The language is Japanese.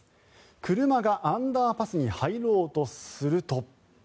車がアンダーパスに入ろうとすると。